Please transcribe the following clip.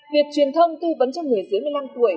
việc truyền thông tư vấn cho người dưới một mươi năm tuổi